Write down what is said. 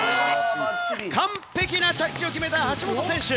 完璧な着地を決めた橋本選手。